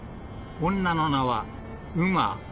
［女の名は］